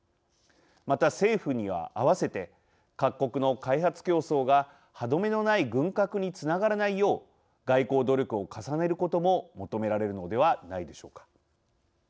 また政府には合わせて各国の開発競争が歯止めのない軍拡につながらないよう外交努力を重ねることも求められるのではないでしょうか。